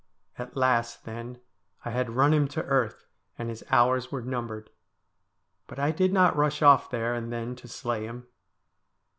At last, then, I had run him to earth, and his hours were numbered. But I did not rush off there and then to slay him.